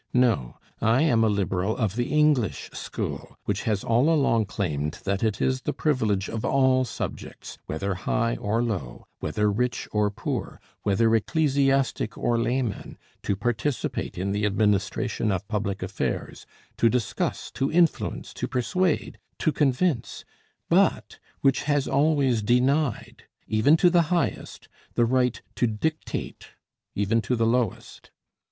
No, I am a Liberal of the English school, which has all along claimed that it is the privilege of all subjects, whether high or low, whether rich or poor, whether ecclesiastic or layman, to participate in the administration of public affairs, to discuss, to influence, to persuade, to convince, but which has always denied, even to the highest, the right to dictate even to the lowest.